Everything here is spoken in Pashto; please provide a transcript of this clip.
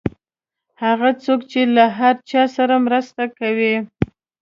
هغه څوک چې د هر چا سره مرسته کوي.